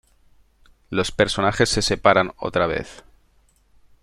Los personajes se separan otra vez.